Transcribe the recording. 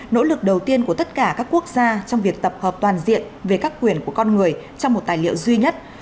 nỗ lực đầu tiên của tất cả các quốc gia trong việc tập hợp toàn diện về các quyền của con người trong một tài liệu duy nhất